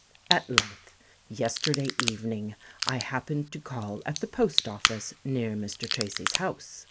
At length, yesterday evening I happened to call at the post office near Mr. Tracy's house.